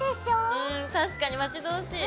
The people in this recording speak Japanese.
うん確かに待ち遠しい。